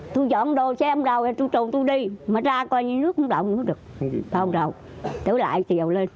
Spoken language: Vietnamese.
tôi dọn đồ cho ông bảo tôi trồng tôi đi mà ra coi như nước không đọng được